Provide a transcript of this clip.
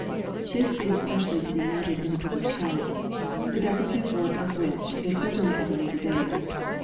This is especially to be noted in the "Book of Kells," the decorative work of which is certainly of a later date.